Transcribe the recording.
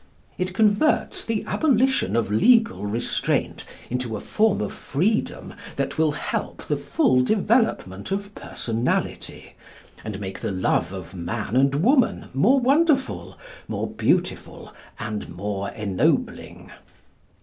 It converts the abolition of legal restraint into a form of freedom that will help the full development of personality, and make the love of man and woman more wonderful, more beautiful, and more ennobling.